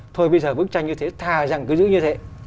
thôi bây giờ bức tranh như thế thà rằng cứ giữ như thế